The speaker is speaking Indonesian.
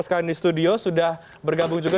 sekarang di studio sudah bergabung juga